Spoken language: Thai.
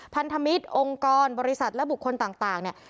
พันธมิตรองค์กรบริษัทและบุคคลต่างเนี่ย